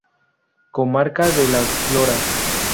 Comarca de Las Loras.